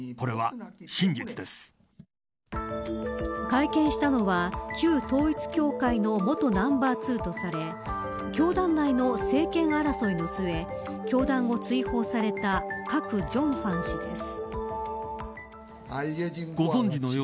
会見したのは旧統一教会の元ナンバー２とされ教団内の政権争いの末教団を追放されたカク・ジョンファン氏です。